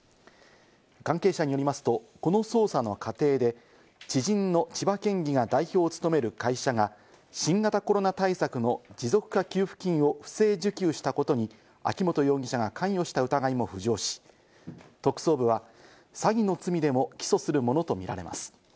関係者によりますと、この捜査の過程で知人の千葉県議が代表を務める会社が新型コロナ対策の持続化給付金を不正受給したことに秋本容疑者が関与した疑いも浮上し、特捜部は詐欺の罪でも起訴するものとみられます。